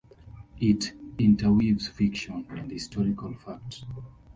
It interweaves fiction and historical fact.